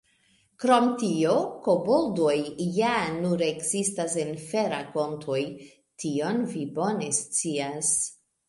Krom tio, koboldoj ja nur ekzistas en ferakontoj; tion vi bone scias.